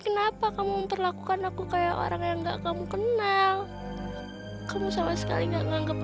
kenapa kamu memperlakukan aku kayak orang yang enggak kamu kenal kamu sama sekali enggak nganggep